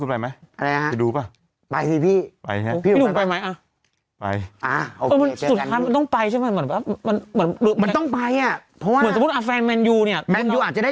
ใช่ครับ๑ชั่วโมงเต็มเจอจัคศัลหวังนะ